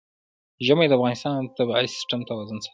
ژمی د افغانستان د طبعي سیسټم توازن ساتي.